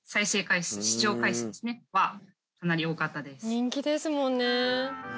人気ですもんね。